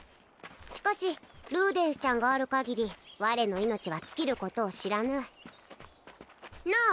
しかしルーデンスちゃんがある限り我の命は尽きることを知らぬなあ